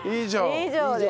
以上です。